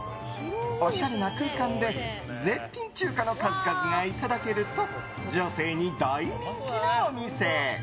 おしゃれな空間で絶品中華の数々がいただけると女性に大人気のお店。